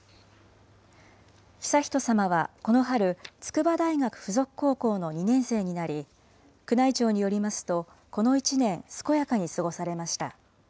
悠仁さまはこの春、筑波大学附属高校の２年生になり、宮内庁によりますと、この１年、健やかに過ごされました。